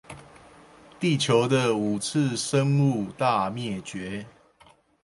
地球的五次生物大滅絕